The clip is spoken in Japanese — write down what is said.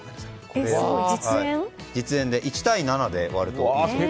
実演で１対７で割るといいそうですよ。